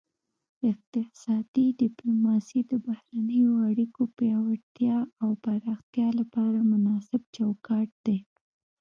اقتصادي ډیپلوماسي د بهرنیو اړیکو پیاوړتیا او پراختیا لپاره مناسب چوکاټ دی